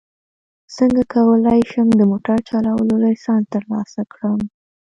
څنګه کولی شم د موټر چلولو لایسنس ترلاسه کړم